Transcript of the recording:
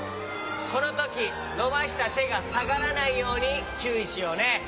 このときのばしたてがさがらないようにちゅういしようね。